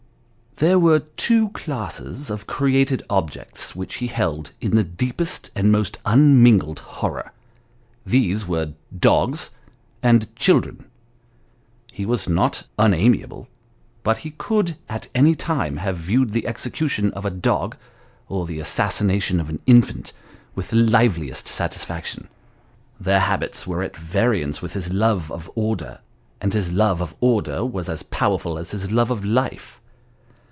There were two classes of created objects which he held in the deepest and most unmingled horror ; these were dogs, and children. He was not unamiable, but he could, at any time, have viewed the execution of a dog, or the assassination of an infant, with the liveliest satisfaction. Their habits were at variance with his love of order ; and his love of order was as powerful as his love of life.